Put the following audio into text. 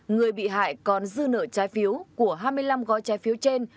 người bị hại còn dư nợ trái phiếu của hai mươi năm gói trái phiếu trên